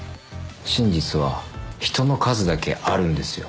「真実は人の数だけあるんですよ」